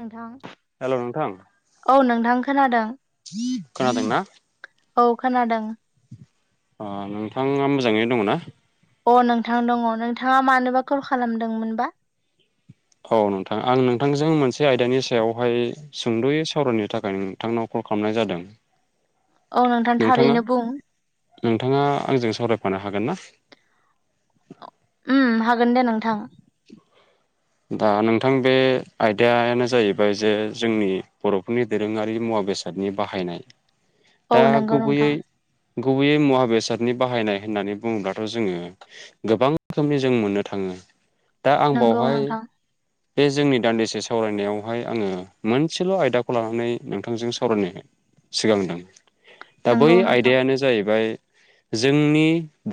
नोंथां हेलौ नोंथां औ नोंथां खोनादों। खोदोंना औ खोनादों ओ नोंथांङा मोजांङैनो दंङना अ नोंथां दंङ नोंथांङा मानोबा कल खालामदोंमोनबा औ नोंथां आं नोंथांजों मोनसे आयदानि सायावहाय सुंद'यै सावरायनि थाखाय नोंथांनाव कल खालामनाय जादों। औ नोंथां थारैनो बुं नोंथांङा आंजों सावरायफानो हागोन ना? उम हा दा नोंथां बे आयदायानो जाहैबाय जे जोंनि बर'फोरनि दोरोंङारि मुवा बेसादनि बाहायनाय औ दा नोंगौ गुबैयै नोंथां गुबैयै मुवा बेसादनि बाहायनाय होननानै बुङोब्लाथ' जोंङो गोबां रोखोमनि जों मोनो। थांङो दा आं नंगौ बावहाय नोंथां बे जोंनि दान्दिसे सावरायनायावहाय आंङो मोनसेल' आयदाखौ लानानै नोंथांजों सावरायनो सिगांदों। दा बै नंगौ नोंथां आयदायानो जाहैबाय जोंनि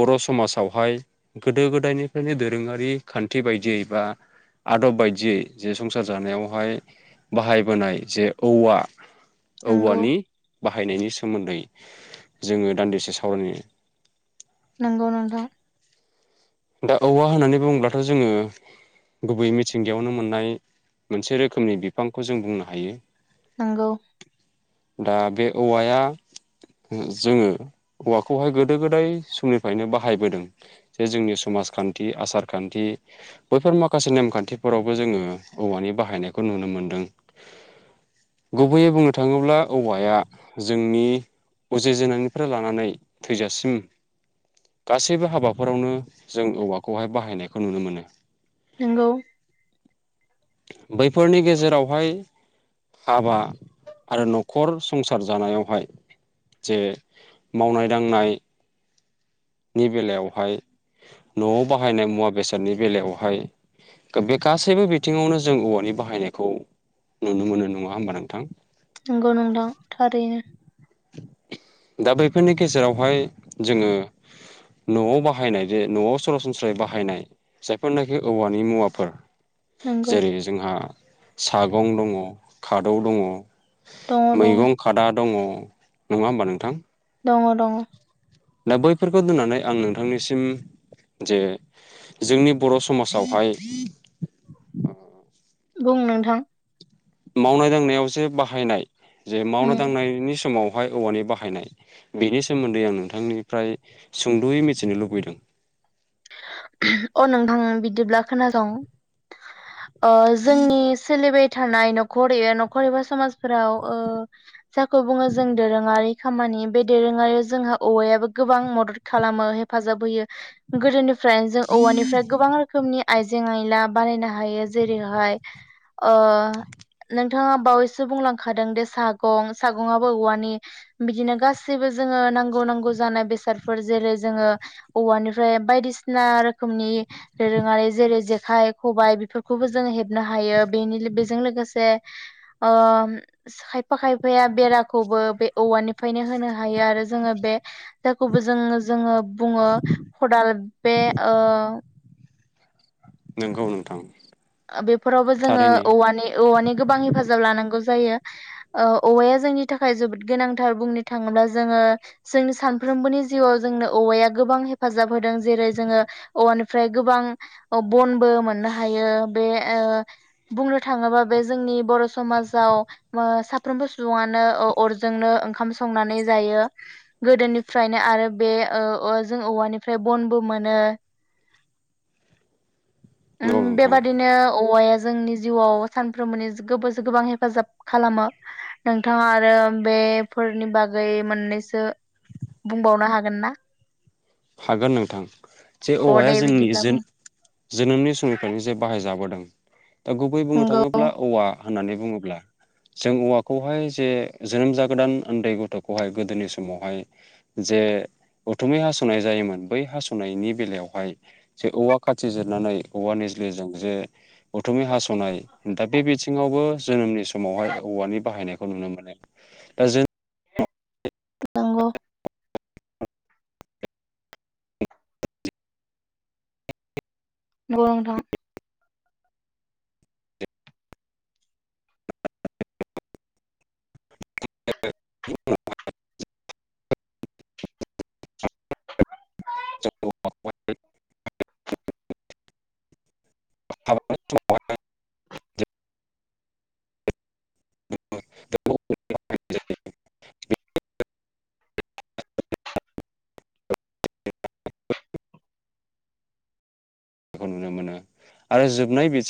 बर' समाजावहाय गोदो गोदायनिफ्रायनो दो रोंङारि खान्थि बायदियै बा आदब बायदियै जे संसार जानायावहाय बाहायबोनाय जे औवा नंगौ औवानि बाहायनायनि सोमोन्दै जोङो दान्दिसे सावरायनो नांगौ नोंथां दा औवा होननानै बुङोब्लाथ' जोङो गुबै मिथिंगायावनो मोननाय मोनसे रोखोमनि बिफांखौ जों बुंनो हायो। नोंगौ दा बे औवाया ओ जोङो औवाखौहाय गोदो गोदाय समनिफायनो बाहायबोदों जे जोंनि समाजखान्थि आसारखान्थि बैफोर माखासे नेमखान्थिफोरावबो जोङो औवानि बाहायनायखौ नुनो मोनदों गुबैयै बुंनो थाङोब्ला औवाया जोंनि उजि जेननायनिफ्राय लानानै थैजासिम गासैबो हाबाफोरावनो जों औवाखौहाय बाहायनायखौ नुनो मोनो। नोंगौ बैफोरनि गेजेरावहाय हाबा आरो न'खर संसार जानायावहाय जे मावनाय दांनाय नि बेलायावहाय न'आव बाहायनाय मुवा बेसादनि बेलायावहाय गो बे गासैबो बिथिङावनो जों औवानि बाहायनायखौ नुनो मोनो नङा होमबा नोंथां। नोंगौ नोंथां थारैनो दा बैफोरनि गेजेरावहाय जोङो न'आव बाहायनाय जे न'आव सरासनस्रायै बाहायनाय जायफोरनाखि औवानि मुवाफोर नंगौ जेरै जोंहा सागं दङ खादौ दङ। दङ दङ मैगं खादा दङ। नङा होमबा नोंथां। दङ दङ। दा बैफोरखौ दोननानै आं नोंथांनिसिम जे जोंनि बर' समाजावहाय ओ बुं नोंथां मावनाय दांनायाव जे बाहायनाय जे मावना उम दांनायनि समाव बेवहाय औवानि बाहायनाय बेनि सोमोन्दै आं नोंथांनिफ्राय सुंद'यै मिथिनो लुबैदों। उम अ नोंथां बिदिब्ला खोनासं अ जोंनि सोलिबाय थानाय न'खरैयो न'खर एबा समाजफोराव ओ जाखौ बुङो जों दोरोङारि खामानि बे दोरोङारि जोंहा औवायाबो गोबां मदद खालामो हेफाजाब होयो गोदोनि फ्राय जों औवानिफ्राय गोबां रोखोमनि आइजें आयला बानायनो हायो जेरैहाय ओ नोंथाङा बावैसो बुंलांखादों दे सागं सागंआबो औवानि बिदिनो गासैबो जोङो नांगौ नांगौ जानाय बेसादफोर जेरै जोङो औवानिफ्राय बायदिसि ना रोखोमनि दोरोङारि जेरै जेखाइ खबाइ बेफोरखौबो जों हेबनो हायो बेनि लो बेजों लोगोसे ओम खायफा खायफाया बेराखौबो बे औवानिफ्रायनो होनो हायो आरो जोङो बे खौबो जोङो जोङो। बुङो खदाल बेे ओ नोंगौ नोंथां ओ बेफोरावबो जोङो थारैनो औवानि औवानि गोबां हेफाजाब लानांगौ जायो ओ औवाया जोंनि थाखाय जोबोद गोनांथार बुंनो थाङोब्ला जोङो जोंनि सानफ्रोमबोनि जिउआव जोंनो औवाया गोबां हेफाजाब होदों जेरै जोङो औवानिफ्राय गोबां ओ बनबो मोननो हायो। बे ओ बुंनो थाङोबा बे जोंनि बर' समाजाव मो साफ्रोमबो सुबुङानो ओ अरजोंनो ओंखाम संनानै जायो। गोदोनिफ्रायनो आरो बे ओ औ जों औवानिफ्राय बनबो मोनो। उम नंगौ नोंथां बेबादिनो औवाया जोंनि जिउआव सानफ्रोमबोनि जो गोबो जो गोबां हेफाजाब खालामो। नोंथाङा आरो बेफोरनि बागै मोननैसो बुंबावनो हागोन ना? हागोन नोंथां जे अ औवाया दे जोंनि बिदिब्ला बुं जोन-जोनोमनि फ्रायनो जे बाहायजाबोदों। दा गुबै बुंनो नंगौ थाङोब्ला औवा होननानै बुङोब्ला जों औवाखौहाय जे जोनोम जागोदान उन्दै गथ'खौहाय गोदोनि समावहाय जे उथुमै हास' हनाय जायोमोन बै हास'नायनि बेलायावहाय जे औवा खाथि जिरनानै औवा निजलिजों जे उथुमि हास'नाय दा बे बिथिङावबो जोनोमनि समावहाय औवानि बाहायनाय खौ नुनो मोनो। दा जों नंगौ । नंगौ नोंथां। [unintelligible] [unintelligible] खौ नुनो मोनो आरो जोबनाय बि